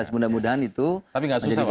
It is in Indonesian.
mudah mudahan itu menjadi wadah